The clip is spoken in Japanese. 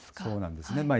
そうなんですね。